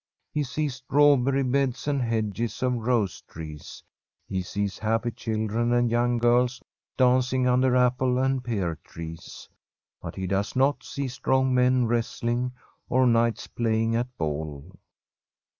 He sees strawberry beds and hedges of rose trees; he sees happy children and young girls dancing un der apple and pear trees. But he does not see strong men wrestling, or knights playing at ball.